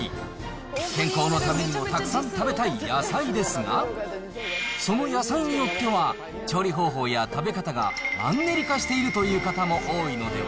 健康のためにもたくさん食べたい野菜ですが、その野菜によっては、調理方法や食べ方がマンネリ化しているという方も多いのでは。